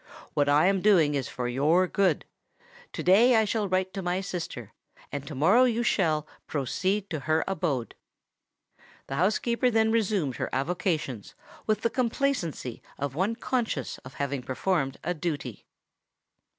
What I am doing is for your good: to day I will write to my sister—and to morrow you shall, proceed to her abode." The housekeeper then resumed her avocations with the complacency of one conscious of having performed a duty.